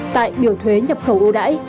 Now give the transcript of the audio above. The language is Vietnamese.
tại biểu thuế nhập khẩu ưu đãi